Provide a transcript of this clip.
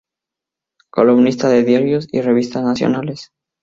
Columnista de diarios y revistas nacionales.